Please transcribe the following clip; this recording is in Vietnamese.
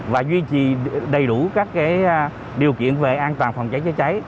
và duy trì đầy đủ các điều kiện về an toàn vòng chữa cháy